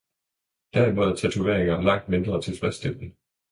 Derimod er tatoveringer langt mindre tilfredsstillende.